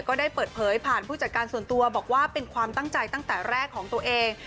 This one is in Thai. ก็ได้เปิดเผยผ่านผู้จัดการส่วนตัวบอกว่าเป็นความตั้งใจตั้งแต่แรกของตัวเอง